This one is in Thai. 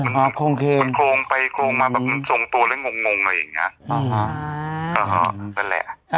มันโครงไปโครงมาแบบมันทรงตัวแล้วงงอะไรอย่างเงี้ย